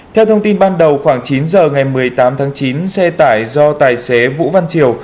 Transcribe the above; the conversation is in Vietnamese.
theo thông tin ban đầu khoảng chín giờ ngày một mươi tám tháng chín xe tải do tài xế vũ văn triều